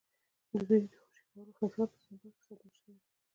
د دوی د خوشي کولو فیصله په ډسمبر کې صادره شوې وه.